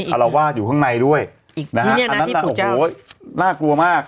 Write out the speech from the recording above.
อารวาสอยู่ข้างในด้วยนะฮะอันนั้นน่ะโอ้โหน่ากลัวมาก